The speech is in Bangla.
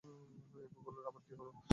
এগুলোর আবার কী হলো?